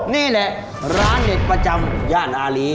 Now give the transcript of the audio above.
นี่แหละร้านเด็ดประจำย่านอารี